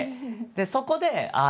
でそこであ